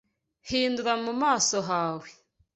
Hindura mu maso hawe